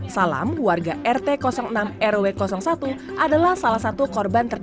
salam warga rt enam rw satu adalah salah satu korban